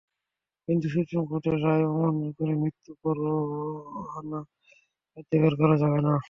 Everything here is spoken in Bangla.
কিন্তু সুপ্রিম কোর্টের রায় অমান্য করে মৃত্যু পরোয়ানা কার্যকর করা যাবে না।